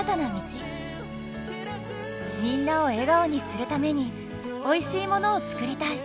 みんなを笑顔にするためにおいしいものを作りたい！